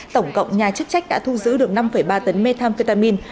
tổng cộng nhà chức trách đã thu giữ được năm ba tấn methamphetamine